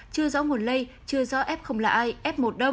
chưa rõ nguồn lây chưa rõ ép không là ai ép một đâm